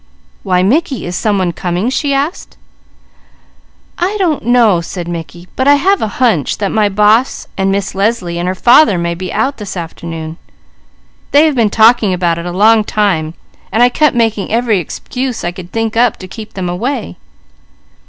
"Why Mickey, is some one coming?" she asked. "I don't know," said Mickey, "but I have a hunch that my boss, and Miss Leslie, and her father may be out this afternoon. They have been talking about it a long time, but I kept making every excuse I could think up to keep them away."